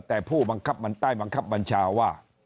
แต่ผู้บังคับมันใต้บังคับบัญชาว่า